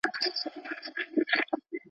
¬ چي مرگ سته، ښادي نسته.